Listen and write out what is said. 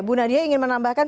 bu nadia ingin menambahkan